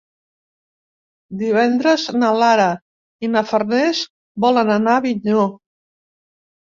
Divendres na Lara i na Farners volen anar a Avinyó.